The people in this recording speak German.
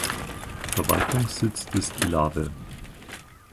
Verwaltungssitz ist Ilave.